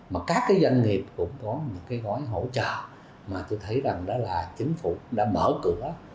mà các cái doanh nghiệp cũng có những cái gói hỗ trợ mà tôi thấy rằng đó là chính phủ đã mở cửa